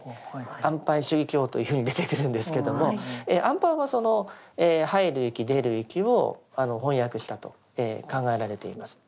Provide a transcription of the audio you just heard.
「安般守意経」というふうに出てくるんですけれども「安般」はその入る息出る息を翻訳したと考えられています。